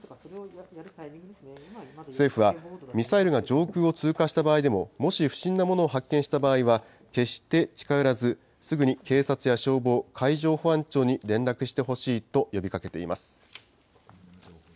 政府は、ミサイルが上空を通過した場合でも、もし不審なものを発見した場合は、決して近寄らず、すぐに警察や消防、海上保安庁に連絡してほしいと呼びかけています。